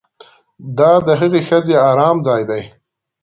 دا د هغې ښځې ارام ځای دی